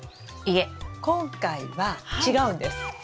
いえ今回は違うんです。